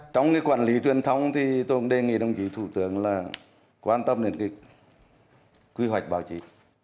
trong cái quản lý truyền thông thì tôi cũng đề nghị đồng chí thủ tướng là quan tâm đến cái quy hoạch báo chí